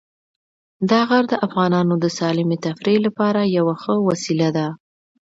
دا غر د افغانانو د سالمې تفریح لپاره یوه ښه وسیله ده.